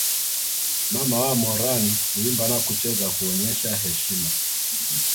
Mama wa Moran huimba na kucheza kuonyesha heshima